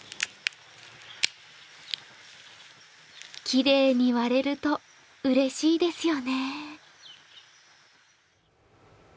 きれいに割れるとうれしいですよね。